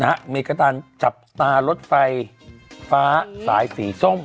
นะฮะเมริกาตารณ์จับตารถฟายฟ้าสายสีส้ม